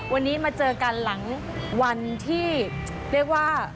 วันนี้มาเจอกันหลังวันที่เรียกว่า